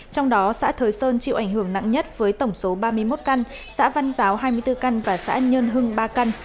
trong đó xã thới sơn chịu ảnh hưởng nặng nhất với tổng số ba mươi một căn xã văn giáo hai mươi bốn căn và xã nhơn hưng ba căn